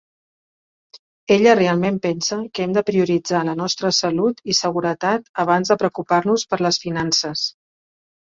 Ella realment pensa que hem de prioritzar la nostra salut i seguretat abans de preocupar-nos per les finances.